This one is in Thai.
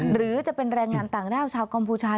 หรือจะเป็นแรงงานต่างด้าวชาวกัมพูชา